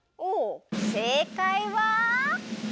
せいかいは？